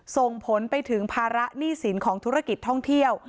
ส่งผลไปถึงภาระหนี้สินของธุรกิจท่องเที่ยว